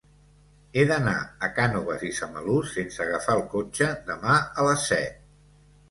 He d'anar a Cànoves i Samalús sense agafar el cotxe demà a les set.